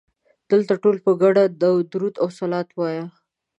دلته ټولو په ګډه درود او صلوات وایه.